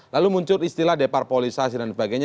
lalu muncul istilah depar polisasi dan sebagainya